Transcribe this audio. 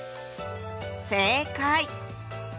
正解！